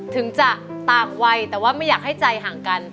ถึงจะตากวัยแต่ว่าไม่อยากให้ใจห่างกัน